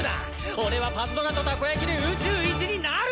俺はパズドラとたこやきで宇宙一になる！